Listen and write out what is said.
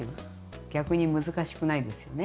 逆に難しくないんですよね。